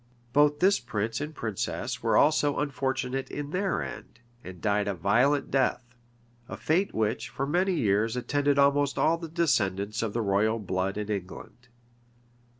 Both this prince and princess were also unfortunate in their end, and died a violent death; a fate which, for many years, attended almost all the descendants of the royal blood in England.